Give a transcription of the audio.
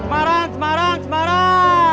semarang semarang semarang